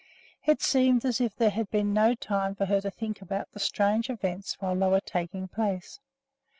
It seemed as if there had been no time for her to think about the strange events while they were taking place.